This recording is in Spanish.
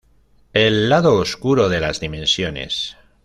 El Lado Oscuro de las Dimensiones".